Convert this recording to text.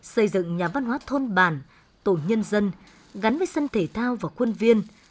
xây dựng nhà văn hóa thôn bản tổ nhân dân gắn với sân thể thao và khuôn viên